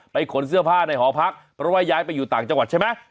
ขนเสื้อผ้าในหอพักเพราะว่าย้ายไปอยู่ต่างจังหวัดใช่ไหม